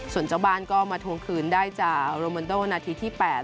ส่วนเจ้าบ้านก็มาทวงคืนได้จากโรมันโดนาทีที่๘